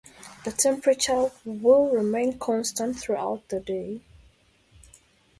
The temperature wil remain constant throughout the day.